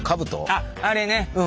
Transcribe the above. あっあれね。